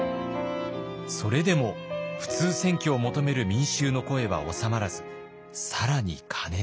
それでも普通選挙を求める民衆の声は収まらず更に過熱。